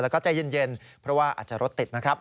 แล้วก็ใจเย็นเพราะว่าอาจจะรถติดนะครับ